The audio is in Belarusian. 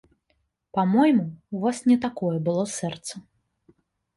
Па-мойму, у вас не такое было сэрца.